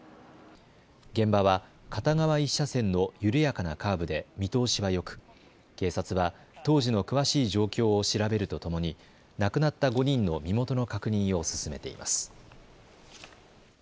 現場は片側１車線の緩やかなカーブで見通しはよく警察は当時の詳しい状況を調べるとともに亡くなった５人の身元の確認を進めています。